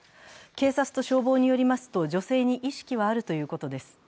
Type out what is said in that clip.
警察と消防によりますと、女性に意識はあるということです。